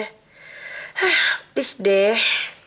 hah kris deh